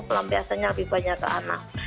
pelampiasannya lebih banyak ke anak